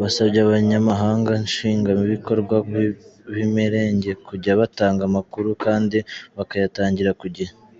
Basabye abanyamabanga nshingwabikorwa b’imerenge kujya batanga amakuru kandi bakayatangira ku gihe.